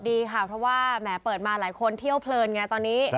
ดีค่ะเพราะว่าแหมเปิดมาหลายคนเที่ยวเพลินไงตอนนี้